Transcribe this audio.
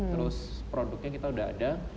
terus produknya kita udah ada